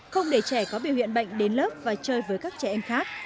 không để trẻ có biểu hiện bệnh đến lớp và chơi với các trẻ em khác